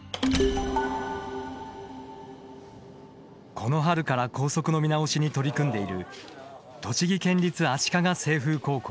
この春から校則の見直しに取り組んでいる栃木県立足利清風高校。